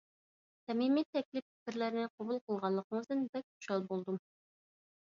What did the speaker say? سەمىمىي تەكلىپ-پىكىرلەرنى قوبۇل قىلغانلىقىڭىزدىن بەك خۇشال بولدۇم.